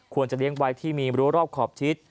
ควรจะเลี้ยงไว้ที่มีรั้วรอบขอบทิศ